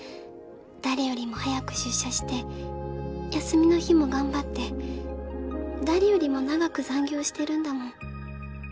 誰よりも早く出社して休みの日も頑張って誰よりも長く残業してるんだもん